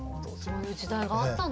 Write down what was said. そういう時代があったんですね。